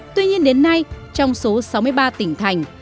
tuy nhiên đến nay trong số sáu mươi ba tỉnh thành